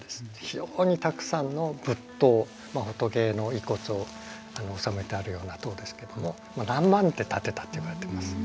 非常にたくさんの仏塔仏の遺骨を納めてあるような塔ですけども何万って建てたっていわれてます。